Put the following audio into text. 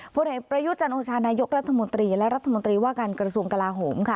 ผลเอกประยุทธ์จันโอชานายกรัฐมนตรีและรัฐมนตรีว่าการกระทรวงกลาโหมค่ะ